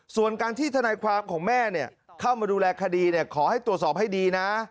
ส่วนการที่ทนายความของแม่เข้ามาดูแลคดีขอให้ตรวจสอบให้ดีนะ